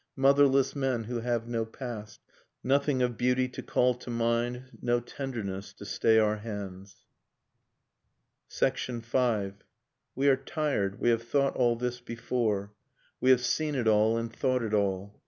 Motherless men who have no past, Nothing of beauty to call to mind No tenderness to stay our hands. .. V. We are tired, we have thought all this before, j We have seen it all, and thought it all.